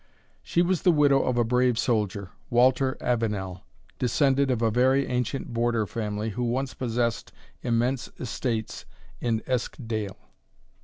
She was the widow of a brave soldier, Walter Avenel, descended of a very ancient Border family, who once possessed immense estates in Eskdale.